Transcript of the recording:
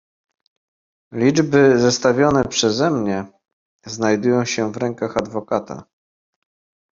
"Liczby, zestawione przeze mnie, znajdują się w rękach adwokata."